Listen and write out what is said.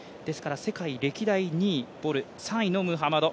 世界歴代２位、ボル、３位のムハマド